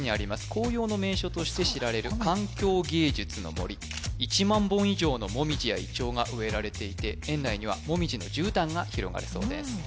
紅葉の名所として知られる環境芸術の森１万本以上のもみじやイチョウが植えられていて園内にはもみじのじゅうたんが広がるそうです